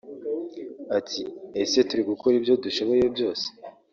Ati “Ese turi gukora ibyo dushoboye byose